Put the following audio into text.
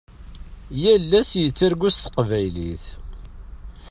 Yal ass yettargu s teqbaylit.